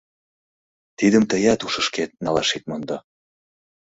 Тидым тыят ушышкет налаш ит мондо...